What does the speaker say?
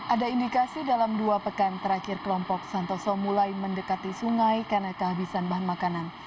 ada indikasi dalam dua pekan terakhir kelompok santoso mulai mendekati sungai karena kehabisan bahan makanan